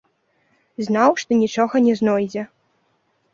Знаў, што нічога не знойдзе.